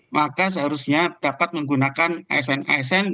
maka seharusnya dapat menggunakan asn asn